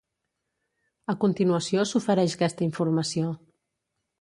A continuació s'ofereix aquesta informació.